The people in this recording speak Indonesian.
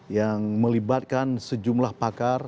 yang melibatkan sejumlah pakar